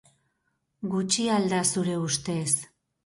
Gutxi al da zure ustez?